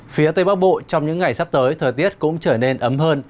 phía tây bắc bộ trong những ngày sắp tới thời tiết cũng trở nên ấm hơn